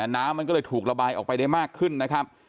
น้ำมันก็เลยถูกระบายออกไปได้มากขึ้นนะครับ